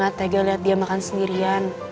gue gak tegel liat dia makan sendirian